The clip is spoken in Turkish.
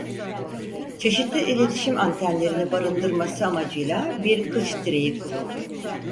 Çeşitli iletişim antenlerini barındırması amacıyla bir kıç direği kuruldu.